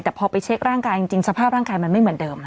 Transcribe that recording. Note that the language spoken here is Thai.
แต่พอไปเช็คร่างกายจริงสภาพร่างกายมันไม่เหมือนเดิม